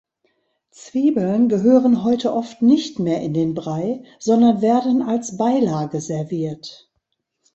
Zwiebeln gehören heute oft nicht mehr in den Brei, sondern werden als Beilage serviert.